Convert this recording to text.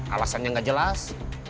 alasannya gak jelas